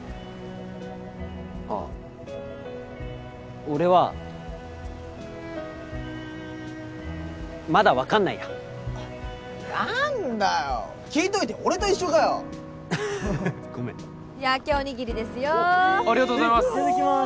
あっ俺はまだ分かんないや何だよ聞いといて俺と一緒かよごめん焼きおにぎりですよおっありがとうございますいただきます